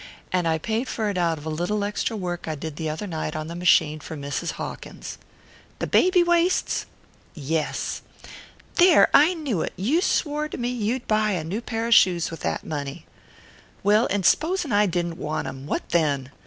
And I paid for it out of a little extra work I did the other night on the machine for Mrs. Hawkins." "The baby waists?" "Yes." "There, I knew it! You swore to me you'd buy a new pair of shoes with that money." "Well, and s'posin' I didn't want 'em what then?